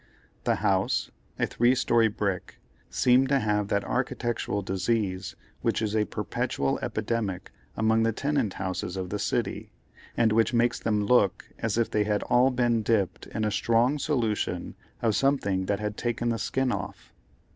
The house, a three story brick, seemed to have that architectural disease which is a perpetual epidemic among the tenant houses of the city, and which makes them look as if they had all been dipped in a strong solution of something that had taken the skin off.